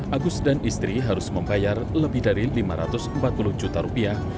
agus dan istri harus membayar lebih dari lima ratus empat puluh juta rupiah